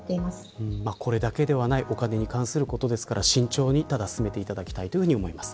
これだけではないお金に関することですから慎重に進めていただきたいと思います。